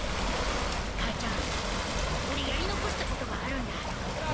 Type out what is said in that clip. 母ちゃん俺やり残したことがあるんだ。